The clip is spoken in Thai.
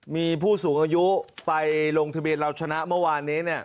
มีผู้สูงอายุไปลงทะเบียนเราชนะเมื่อวานนี้